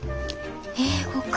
英語か。